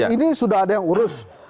ini sudah ada yang urus